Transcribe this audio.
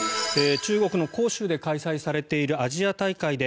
中国の杭州で開催されているアジア大会で